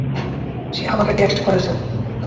সে আমাকে টেক্সট করেছে।